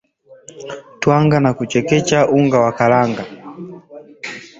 twanga na kuchekecha unga wa karanga